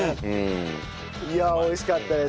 いや美味しかったです。